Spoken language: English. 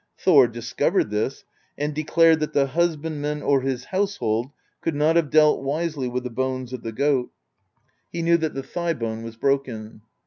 Thor discovered this, and declared that the husbandman or his household could not have dealt wisely with the bones of the goat : he knew that the thigh 58 PROSE EDDA bone was broken.